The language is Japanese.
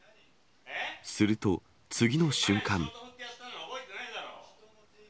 すると次の瞬間。